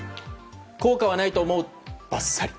効果はないと思うとバッサリ。